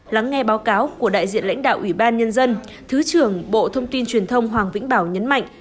lắng nghe báo cáo của đại diện lãnh đạo ủy ban nhân dân thứ trưởng bộ thông tin truyền thông hoàng vĩnh bảo nhấn mạnh